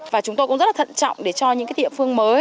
và chúng tôi cũng rất là thận trọng để cho những tiệm phương mới